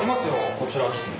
こちらに。